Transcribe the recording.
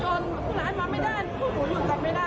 ถ้าช่วยจับจนคุณร้านมาไม่ได้คุณผู้ห่วงกลับกลับไม่ได้นะคะ